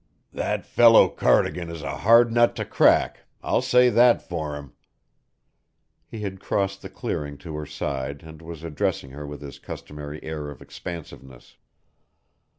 "That fellow Cardigan is a hard nut to crack I'll say that for him." He had crossed the clearing to her side and was addressing her with his customary air of expansiveness.